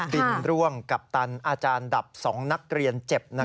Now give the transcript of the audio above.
ร่วงกัปตันอาจารย์ดับ๒นักเรียนเจ็บ